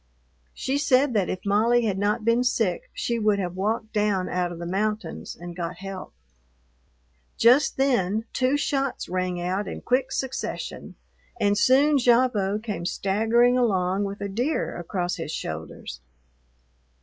She said that if Molly had not been sick she would have walked down out of the mountains and got help. Just then two shots rang out in quick succession, and soon Gavotte came staggering along with a deer across his shoulders.